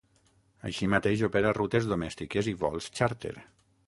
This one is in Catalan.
Així mateix opera rutes domèstiques i vols xàrter.